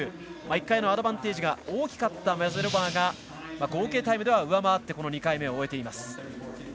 １回のアドバンテージが大きかったマジェロバーが合計タイムでは上回ってこの２回目を終えています。